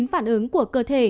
chín phản ứng của cơ thể